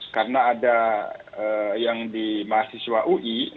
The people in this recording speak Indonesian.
karena ada yang di mahasiswa ui